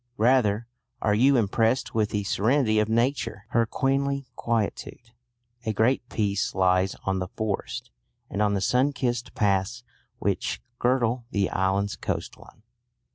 Rather are you impressed with the serenity of Nature, her queenly quietude. A great peace lies on the forest, and on the sunkissed paths which girdle the island's coastline.